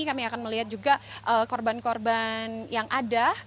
kami akan melihat juga korban korban yang ada